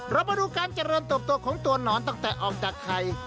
เรามาดูการเจริญเติบโตของตัวหนอนตั้งแต่ออกจากไข่